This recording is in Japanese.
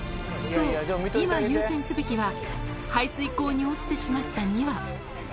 そう、今優先すべきは、排水溝に落ちてしまった２羽。